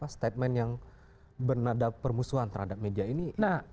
statement yang bernada permusuhan terhadap media ini